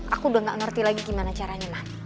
aku udah gak ngerti lagi gimana caranya lah